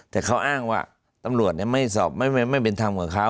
แต่เขาอ้างว่าตำรวจเนี่ยไม่สอบไม่ไม่เหมือนไม่เป็นธรรมกับเขา